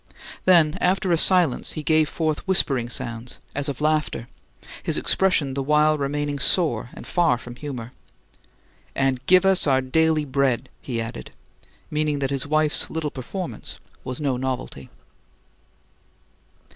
Then, after a silence, he gave forth whispering sounds as of laughter, his expression the while remaining sore and far from humour. "And give us our daily bread!" he added, meaning that his wife's little performance was no novelty.